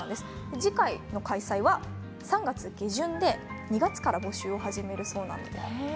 次回の開催は３月下旬で２月から募集を始めるそうです。